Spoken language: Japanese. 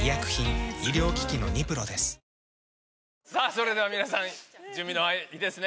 それでは皆さん準備のほうはいいですね？